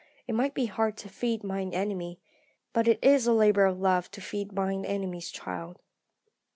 It might be hard to feed mine enemy, but it is a labour of love to feed mine enemy's child.